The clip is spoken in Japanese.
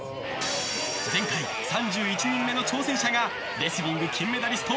前回、３１人目の挑戦者がレスリング金メダリスト